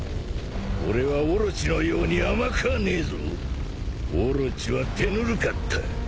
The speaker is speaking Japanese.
俺はオロチのように甘くはねえぞ。オロチは手ぬるかった。